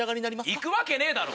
行くわけねえだろ！